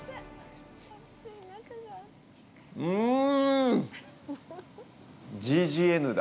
うん！